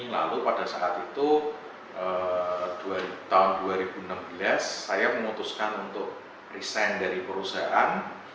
lalu pada saat itu tahun dua ribu enam belas saya memutuskan untuk resign dari perusahaan